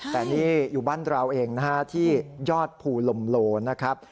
แต่นี่อยู่บ้านเราเองนะฮะที่ยอดภูลมโลนะครับ